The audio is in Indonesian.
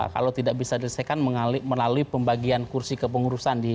kalau tidak bisa diselesaikan melalui pembagian kursi kepengurusan